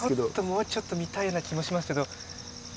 もうちょっと見たいような気もしますが。